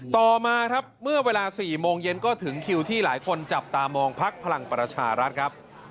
ต่อมาครับเมื่อเวลา๔โมงเย็นก็ถึงคิวที่หลายคนจับตามองพักพลังประชารัฐครับ